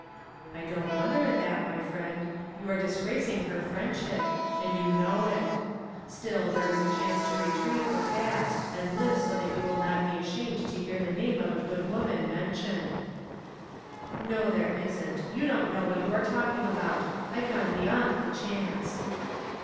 " I don't wonder at that, my friend. You are disgracing her friendship, and you know it. Still there is a chance to retrieve the past, and live so that you will not be ashamed to hear the name of a good woman, mentioned." 364 ONE COMMONPLACE DAY. "No, there isn't. You don't know what you are talking about. I've gone beyond the chance."